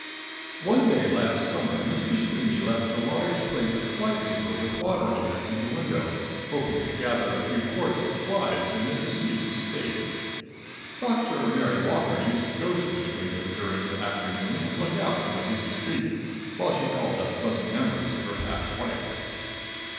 One day last summer Mr. Sweeney left a large plate of fly paper with water on it in the window, hoping to gather in a few quarts of flies in a deceased state. Dr. Mary Walker used to go to this window during the afternoon and look out on the busy street while she called up pleasant memories of her past life.